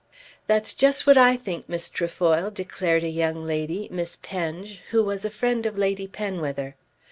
"That's just what I think, Miss Trefoil," declared a young lady, Miss Penge, who was a friend of Lady Penwether.